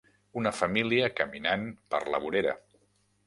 Una família caminant per la vorera.